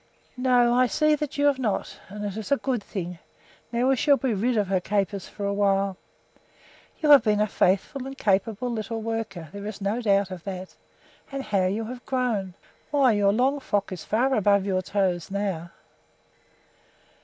"No, I see that you have not; and it is a good thing. Now we shall be rid of her capers for a while. You have been a faithful and capable little worker, there is no doubt of that. And how you have grown! Why, your long frock is far above your toes now!"